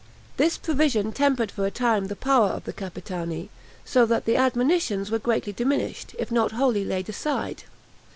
This provision tempered for a time the power of the Capitani, so that the admonitions were greatly diminished, if not wholly laid aside.